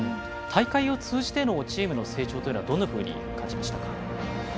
大会を通じてのチームの成長はどんなふうに感じましたか？